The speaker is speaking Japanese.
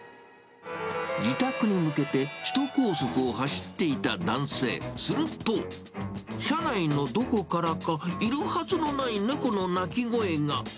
自宅に向けて、首都高速を走っていた男性、すると、車内のどこからか、いるはずのない猫の鳴き声が。